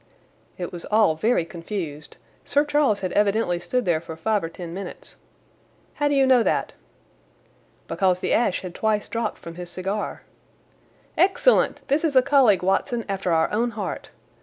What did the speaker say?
"It was all very confused. Sir Charles had evidently stood there for five or ten minutes." "How do you know that?" "Because the ash had twice dropped from his cigar." "Excellent! This is a colleague, Watson, after our own heart.